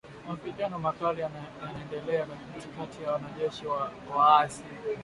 Mapigano makali yanaendelea kati ya wanajeshi na waasi